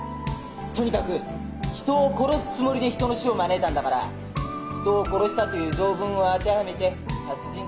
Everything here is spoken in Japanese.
とにかく人を殺すつもりで人の死を招いたんだから人を殺したという条文を当てはめて殺人罪が成立するわけ。